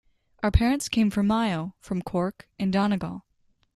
Our parents came from Mayo, from Cork and Donegal.